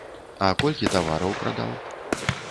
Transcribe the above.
А колькі тавараў прадаў?